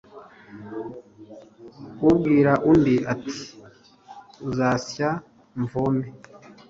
ubwira undi, ati «uzasya mvome